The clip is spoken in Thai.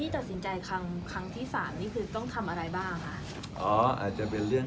แต่ถ้าเรามีการดูแลเรื่อย